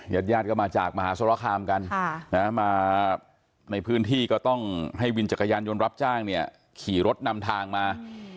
ญาติญาติก็มาจากมหาสรคามกันมาในพื้นที่ก็ต้องให้วินจักรยานยนต์รับจ้างเนี่ยขี่รถนำทางมา